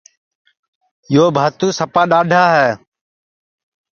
کاکا بھورا سپا ڈؔاڈھا ہے